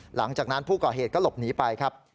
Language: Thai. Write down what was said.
หลังจากนั้นผู้ก่อเหตุก็หลบหนีไปครับ